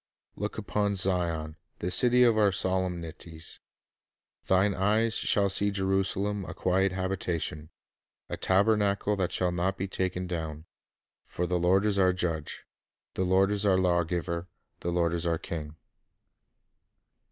'" "Look upon Zion, the city of our solemnities; thine eyes shall see Jerusalem a quiet habitation, a tabernacle that shall not be taken down. ... For the Lord is our judge, the Lord is our lawgiver, the Lord is our king."